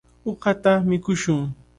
Uqata mikushun.